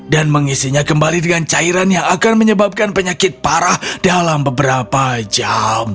dan mengisinya kembali dengan cairan yang akan menyebabkan penyakit parah dalam beberapa jam